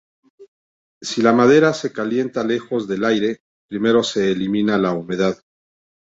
Si la madera se calienta lejos del aire, primero se elimina la humedad.